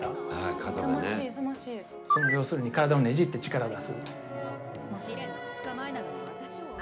要するに体をねじって力を出す。